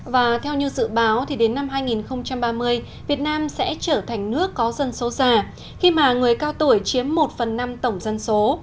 và theo như dự báo thì đến năm hai nghìn ba mươi việt nam sẽ trở thành nước có dân số già khi mà người cao tuổi chiếm một phần năm tổng dân số